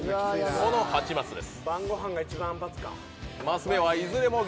この８マスです。